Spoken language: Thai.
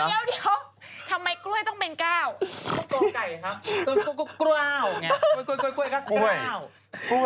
เดี๋ยวทำไมกล้วยต้องเป็นก้าวตัวไก่ครับกล้าวเนี่ยกล้วยก็ก้าว